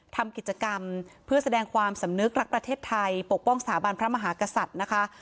ทำกิจกรรมเพื่อแสดงความสำนึกรักประเทศไทยปกป้องสถาบันพระมหากษัตริย์นะคะ